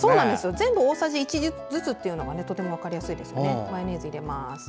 全部大さじ１ずつなのがとても分かりやすいですね。